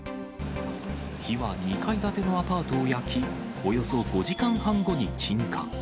火は２階建てのアパートを焼き、およそ５時間半後に鎮火。